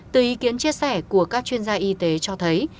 từ ý kiến chia sẻ của các chuyên gia y tế cho thấy